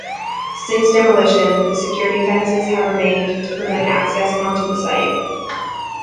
Since demolition, the security fences have remained to prevent access onto the site.